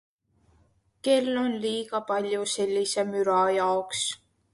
Kell on liiga palju sellise müra jaoks.